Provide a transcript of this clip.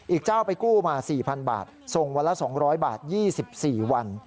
อีกเจ้าไปกู้มา๔๐๐๐บาทส่งวันละ๒๐๐บาท๒๔วัน